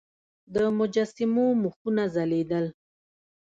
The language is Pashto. د مجسمو مخونه ځلیدل